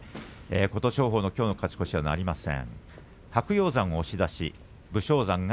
琴勝峰のきょうの勝ち越しはなりません。